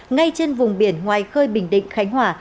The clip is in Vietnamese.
ngay trên vùng biển ngoài khơi bình định khánh hòa